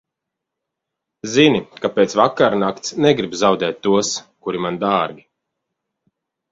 Zini, ka pēc vakarnakts negribu zaudēt tos, kuri man dārgi.